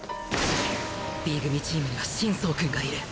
Ｂ 組チームには心操くんがいる